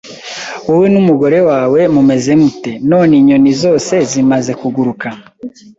Wowe n'umugore wawe mumeze mute, none inyoni zose zimaze kuguruka?